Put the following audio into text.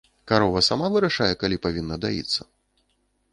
Карова сама вырашае, калі павінна даіцца?